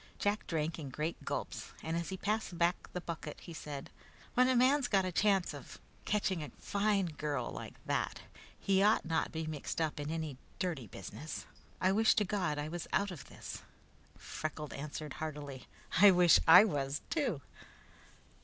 Jack drank in great gulps, and as he passed back the bucket, he said: "When a man's got a chance of catching a fine girl like that, he ought not be mixed up in any dirty business. I wish to God I was out of this!" Freckles answered heartily: "I wish I was, too!"